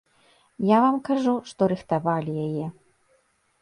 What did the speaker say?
Я вам кажу, што рыхтавалі яе.